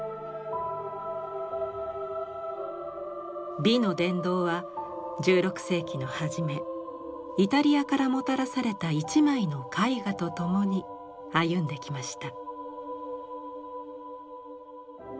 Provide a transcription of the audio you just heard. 美の殿堂は１６世紀の初めイタリアからもたらされた一枚の絵画と共に歩んできました。